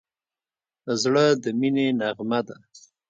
زړه د مینې نغمه ده.